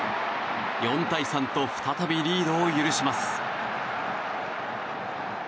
４対３と再びリードを許します。